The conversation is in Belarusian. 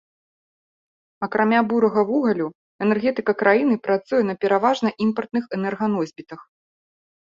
Акрамя бурага вугалю, энергетыка краіны працуе на пераважна імпартных энерганосьбітах.